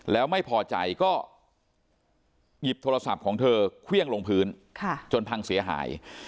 แล้วไม่พอใจก็หยิบโทรศัพท์ของเธอเครื่องลงพื้นจนพังเสียหาย